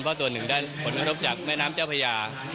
เพราะตัวนึงได้รับผลกระทบจากแม่น้ำเจ้าพระยา